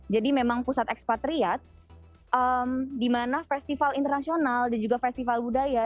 jadi memang pusat ekspatriat di mana festival internasional dan juga festival budaya